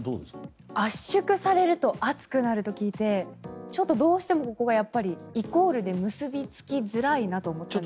圧縮されると暑くなると聞いてちょっとどうしてもここがイコールで結びつきづらいなと思ったんですが。